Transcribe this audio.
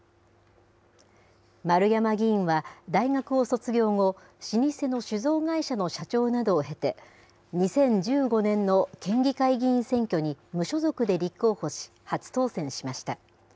丸山議員は大学を卒業後、老舗の酒造会社の社長などを経て、２０１５年の県議会議員選挙に無所属で立候補し、初当選しました。